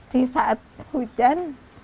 di saat hujan